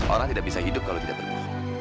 orang tidak bisa hidup kalau tidak bergusur